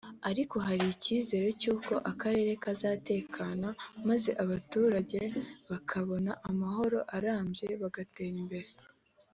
ariko hari icyizere cy’uko akarere kazatekana maze abaturage bakabona amahoro arambye bagatera imbere